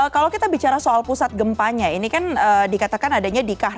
kalau kita bicara soal pusat gempanya ini kan dikatakan adanya di kah